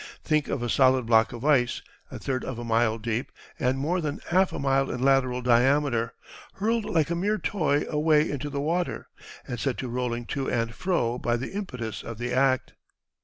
Think of a solid block of ice, a third of a mile deep, and more than half a mile in lateral diameter, hurled like a mere toy away into the water, and set to rolling to and fro by the impetus of the act.